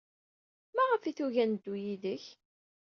Maɣef ay tugid ad neddu yid-k?